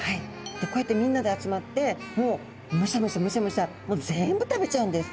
こうやってみんなで集まってもうむしゃむしゃむしゃむしゃ全部食べちゃうんです。